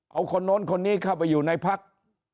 เอาคนโน้นคนนี้เข้าไปอยู่ในพัก